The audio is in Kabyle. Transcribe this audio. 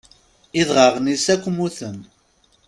Idɣaɣen-is akk mmuten.